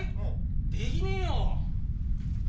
できねえよ！